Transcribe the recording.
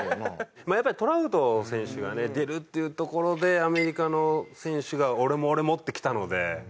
やっぱりトラウト選手がね出るっていうところでアメリカの選手が「俺も俺も」って来たので。